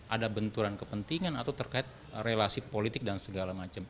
ada benturan kepentingan atau terkait relasi politik dan segala macam